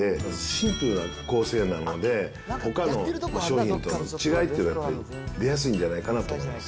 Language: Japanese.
シンプルな構成なので、ほかの商品との違いっていうのは、やっぱり出やすいんじゃないかなと思います。